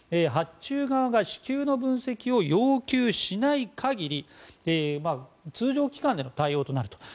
発注側が至急の分析を要求しない限り通常期間での対応となる。